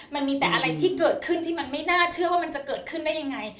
มันมีแต่อะไรที่เกิดขึ้นที่มันไม่น่าเชื่อว่ามันจะเกิดขึ้นได้ยังไง